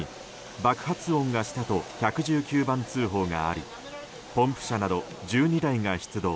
爆発音がしたと１１９番通報がありポンプ車など１２台が出動。